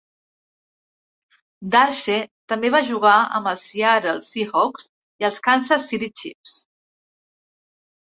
Darche també va jugar amb els Seattle Seahawks i els Kansas City Chiefs.